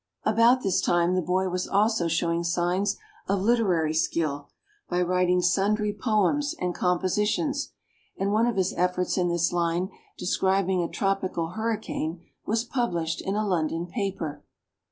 About this time, the boy was also showing signs of literary skill by writing sundry poems and "compositions," and one of his efforts in this line describing a tropical hurricane was published in a London paper.